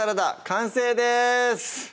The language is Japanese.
完成です